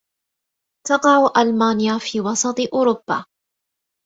تقع ألمانيا في وسط أوروبا.